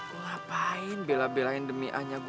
gue ngapain bela belain demi anya gue